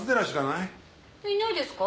いないですか？